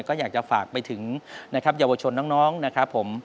ก็อยากจะฝากไปถึงนะครับเยาวชนน้องนะครับผม